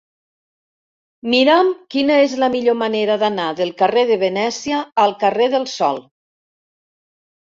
Mira'm quina és la millor manera d'anar del carrer de Venècia al carrer del Sol.